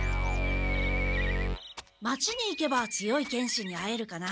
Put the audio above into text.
町に行けば強い剣士に会えるかな？